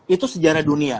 itu sejarah dunia